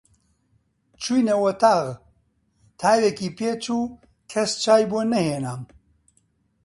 چووینە وەتاغ، تاوێکی پێچوو، کەس چای بۆ نەهێنام